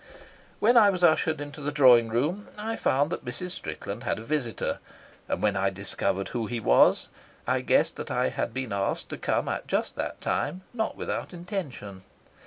When I was ushered into the drawing room I found that Mrs. Strickland had a visitor, and when I discovered who he was, I guessed that I had been asked to come at just that time not without intention.